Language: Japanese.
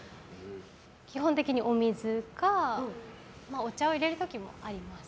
基本的にお水かお茶を入れる時もあります。